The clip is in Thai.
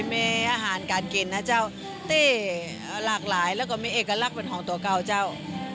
มีอาหารการกินนะเจ้าเต้หลากหลายแล้วก็มีเอกลักษณ์เป็นของตัวเก่าเจ้า